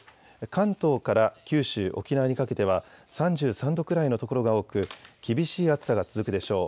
関東から九州、沖縄にかけては３３度くらいの所が多く厳しい暑さが続くでしょう。